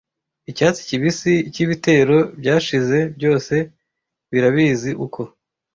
Icyatsi kibisi cyibitero byashize byose birabizi-uko: